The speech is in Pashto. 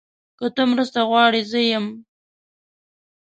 که ته مرسته غواړې، زه یم.